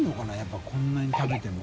こんなに食べても。